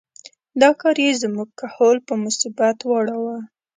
دا کار یې زموږ کهول په مصیبت واړاوه.